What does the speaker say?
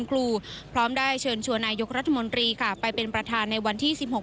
ครูพร้อมได้เชิญชวนนายกรัฐมนตรีค่ะไปเป็นประธานในวันที่๑๖